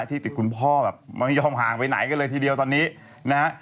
ที่ติดคุณพ่อแบบไม่ยอมห่างไปไหนกันเลยทีเดียวตอนนี้นะฮะ